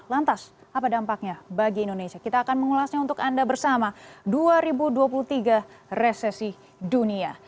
lantas apa dampaknya bagi indonesia kita akan mengulasnya untuk anda bersama dua ribu dua puluh tiga resesi dunia